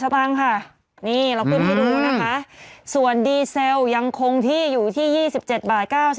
ฟังค่ะนี่เราขึ้นให้ดูนะคะส่วนดีเซลยังคงที่อยู่ที่๒๗บาท๙๐